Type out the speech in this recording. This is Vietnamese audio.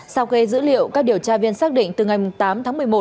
sau khi dữ liệu các điều tra viên xác định từ ngày tám tháng một mươi một